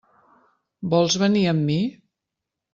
Vols venir amb mi?